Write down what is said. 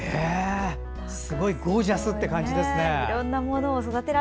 すごいゴージャスって感じです。